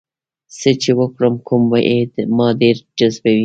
څه چې وکړم کوم یې ما ډېر جذبوي؟